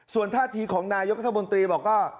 ส่วนท่าทีของนายกรัฐมนตรีบอกว่า